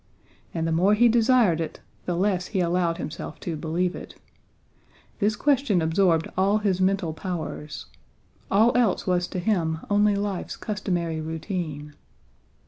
And the more he desired it the less he allowed himself to believe it. This question absorbed all his mental powers. All else was to him only life's customary routine.